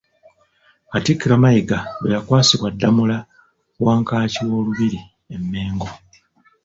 Katikkiro Mayiga lwe yakwasibwa Ddamula ku Wankaaki w'Olubiri e Mmengo.